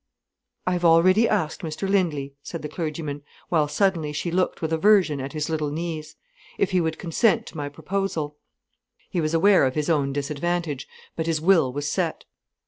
"I have already asked Mr Lindley," said the clergyman, while suddenly she looked with aversion at his little knees, "if he would consent to my proposal." He was aware of his own disadvantage, but his will was set.